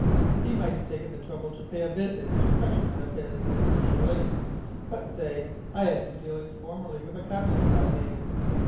"He might have taken the trouble to pay a visit to a countryman of his, Mr. Jeorling! But stay! I had some dealings formerly with a captain of that name.